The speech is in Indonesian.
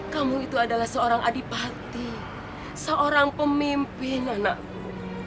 kamu itu adalah seorang adipati seorang pemimpin anakku